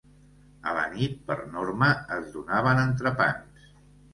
A la nit per norma es donaven entrepans.